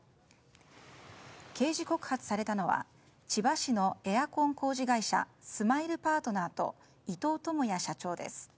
刑事告発されたのは千葉市のエアコン工事会社スマイルパートナーと伊藤友哉社長です。